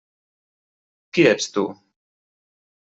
Qui ets tu?